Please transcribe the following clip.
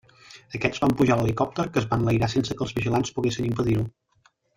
Aquests van pujar a l'helicòpter, que es va enlairar sense que els vigilants poguessin impedir-ho.